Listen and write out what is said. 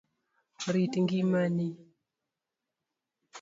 Rit ngima ni.